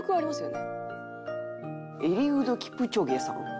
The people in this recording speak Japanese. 「エリウド・キプチョゲさん。